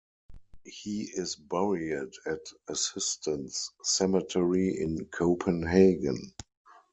He is buried at Assistens Cemetery in Copenhagen.